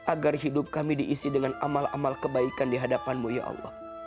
agar hidup kami diisi dengan amal amal kebaikan di hadapanmu ya allah